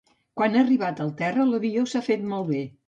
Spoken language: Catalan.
Quan ha arribat al terra, l'avió s'ha fet malbé.